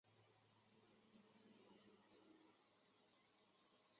跑去吃一间古色古香的店